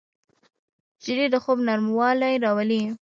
شیدې د خوب نرموالی راولي